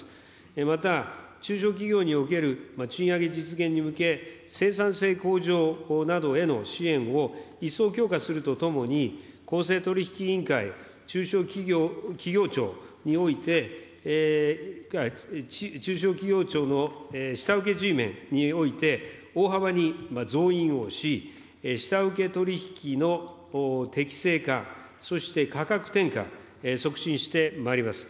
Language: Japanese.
また中小企業における賃上げ実現に向け、生産性向上などへの支援を一層強化するとともに、公正取引委員会、中小企業庁において、中小企業庁の下請けＧメンにおいて、大幅に増員をし、下請け取り引きの適正化、そして価格転嫁、促進してまいります。